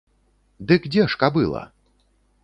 Дык дзе ж кабыла?